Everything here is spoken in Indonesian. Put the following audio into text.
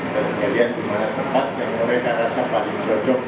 dan kemudian di mana tempat yang mereka rasa paling cocok